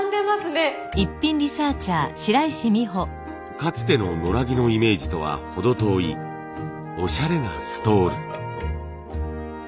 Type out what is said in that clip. かつての野良着のイメージとは程遠いオシャレなストール。